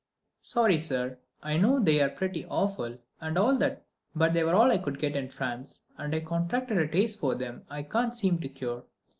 "Sorry, sir; I know they're pretty awful and all that, but they were all I could get in France, and I contracted a taste for them I can't seem to cure.